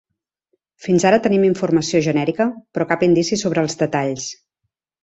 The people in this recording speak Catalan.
Fins ara tenim informació genèrica, però cap indici sobre els detalls.